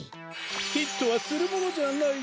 ヒットはするものじゃない。